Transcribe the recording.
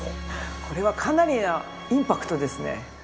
これはかなりのインパクトですね。